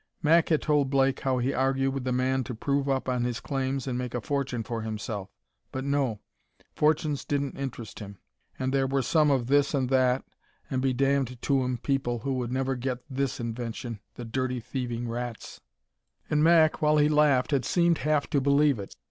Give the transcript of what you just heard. Mac had told Blake how he argued with the man to prove up on his claims and make a fortune for himself. But no fortunes didn't interest him. And there were some this and that and be damned to 'em people who would never get this invention the dirty, thieving rats! And Mac, while he laughed, had seemed half to believe it.